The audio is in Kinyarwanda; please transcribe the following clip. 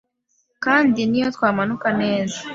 Kandi niyo twamanuka neza